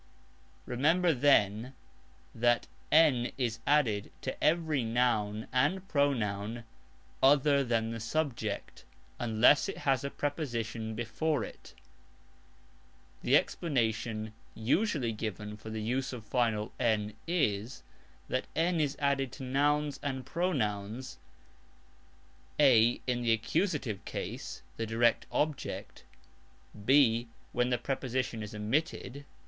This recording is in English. Remember, then, that "N" is added to every noun and pronoun, "other than the subject", unless it has a preposition before it. [Footnote: (i.). The explanation usually given for the use of final "n" is, that "n" is added to nouns and pronouns (a) in the Accusative Case (the direct object), (b) when the preposition is omitted.